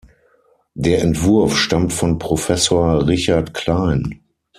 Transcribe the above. Der Entwurf stammt von Professor Richard Klein.